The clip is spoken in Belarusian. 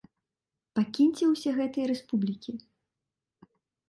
Пакіньце ўсе гэтыя рэспублікі!